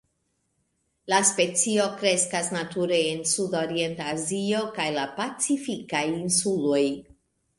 La specio kreskas nature en sudorienta Azio kaj la Pacifikaj insuloj.